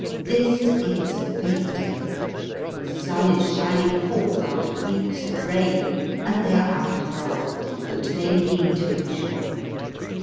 This is a fete day. The sun is shining forth after weeks of rain, and they are out for a holiday, which they mean to enjoy.